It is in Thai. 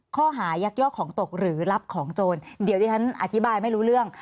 ข้อหายักยอกของตกหรือรับของโจรเดี๋ยวที่ฉันอธิบายไม่รู้เรื่อง